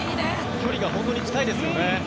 距離が本当に近いですよね。